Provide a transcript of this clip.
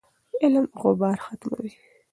علم غبار ختموي.